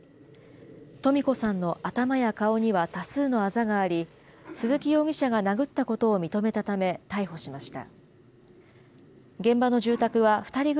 とみ子さんの頭や顔には多数のあざがあり、鈴木容疑者が殴ったことを認めたため、逮捕しました。